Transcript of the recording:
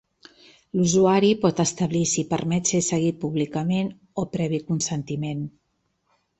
L'usuari pot establir si permet ser seguit públicament o previ consentiment.